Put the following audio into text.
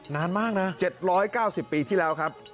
นานมากนะ๗๙๐ปีที่แล้วครับ